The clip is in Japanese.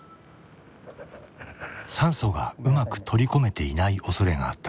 酸素がうまく取り込めていないおそれがあった。